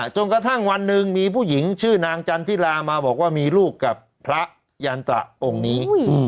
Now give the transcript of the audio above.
จนกระทั่งวันหนึ่งมีผู้หญิงชื่อนางจันทิรามาบอกว่ามีลูกกับพระยันตระองค์นี้